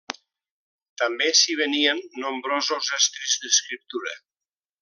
També s'hi venien nombrosos estris d'escriptura.